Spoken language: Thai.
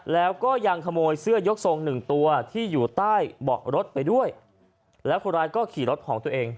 แล้วก็ยังขโมยเสื้อยกทรงหนึ่งตัวที่อยู่ใต้เบาะรถไปด้วยแล้วคนร้ายก็ขี่รถของตัวเอง